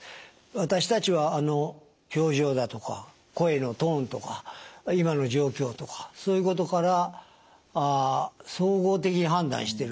私たちは表情だとか声のトーンとか今の状況とかそういうことから総合的に判断してる